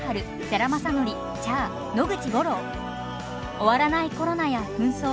終わらないコロナや紛争。